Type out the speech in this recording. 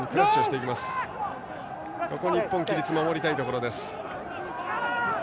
日本は規律を守りたいところです。